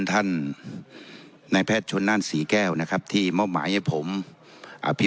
ท่านนายแพทย์ชนนั่นศรีแก้วนะครับที่มอบหมายให้ผมอภิ